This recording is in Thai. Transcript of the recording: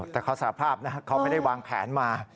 แต่ขอสาธารณ์ภาพเค้าไม่ได้วางแผนมา